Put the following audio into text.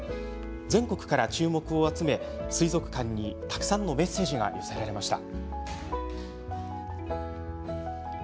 全国から注目を集め水族館にたくさんのメッセージが寄せられました。